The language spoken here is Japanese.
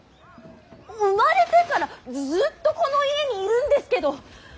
生まれてからずっとこの家にいるんですけど。